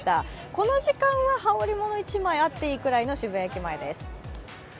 この時間は羽織り物１枚、あっていいくらいの渋谷駅前です。